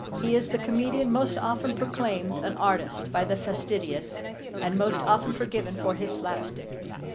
He is the comedian most often proclaimed an artist by the fastidious, and most often forgiven for his slapstick.